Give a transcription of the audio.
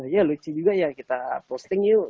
ya lucu juga ya kita posting yuk